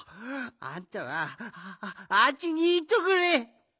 あんたはああっちにいっとくれ！